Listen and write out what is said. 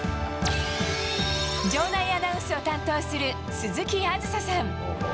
場内アナウンスを担当する鈴木あずささん。